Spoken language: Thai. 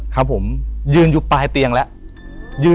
ครับผมยืนอยู่ปลายเตียงแล้ว